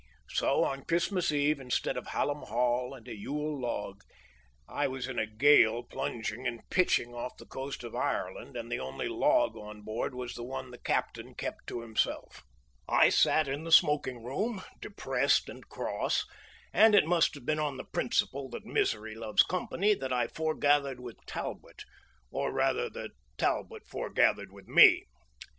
So, on Christmas eve, instead of Hallam Hall and a Yule log, I was in a gale plunging and pitching off the coast of Ireland, and the only log on board was the one the captain kept to himself. I sat in the smoking room, depressed and cross, and it must have been on the principle that misery loves company that I forgathered with Talbot, or rather that Talbot forgathered with me.